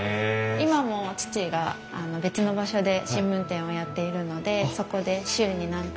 今も父が別の場所で新聞店をやっているのでそこで週に何回か配達をしています。